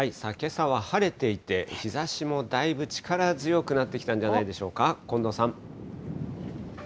けさは晴れていて、日ざしもだいぶ力強くなってきたんじゃないでしょうか、近藤さん。